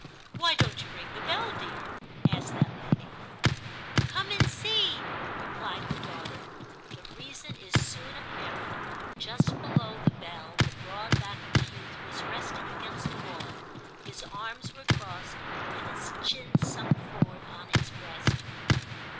' Why don't you ring the bell, dear }' asked that lady. 'Come and see,' replied her daughter. The reason is soon apparent. Just below the bell the broad back of a youth was resting against the wall ; his arms were crossed and his chin sunk forward on his breast.